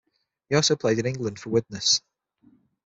He also played in England for Widnes.